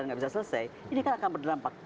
nggak bisa selesai ini kan akan berdampak